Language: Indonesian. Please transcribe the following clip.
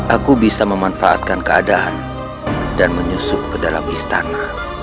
aku bisa memanfaatkan keadaan dan menyusup ke dalam istana